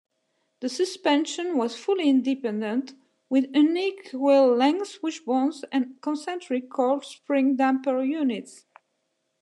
The suspension was fully independent, with unequal-length wishbones and concentric coil-spring-damper units.